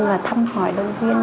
và thăm hỏi đồng viên